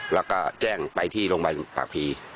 แล้วก็แจ้งไปที่โรงพยาบาลปากพี